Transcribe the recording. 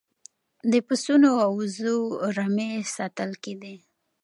د پسونو او وزو رمې ساتل کیدې